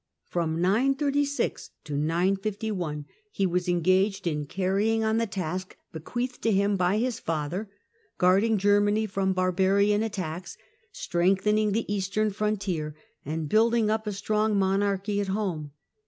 From 936 to 951 he was engaged in carrying on the task bequeathed to him by his father, guarding Germany from barbarian attacks, strengthening the eastern frontier, and building up a strong monarchy at home.